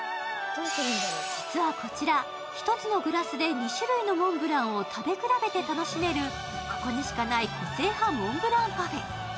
実はこちら、１つのグラスて１つのモンブランを食べ比べて楽しめるここにしかない、個性派モンブランパフェ。